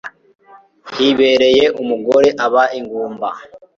Hibereye umugore aba ingumba